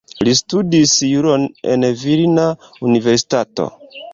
Li studis juron en Vilna Universitato.